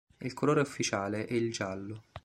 Il colore ufficiale è il giallo.